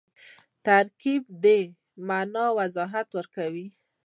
ترکیب د مانا وضاحت کوي.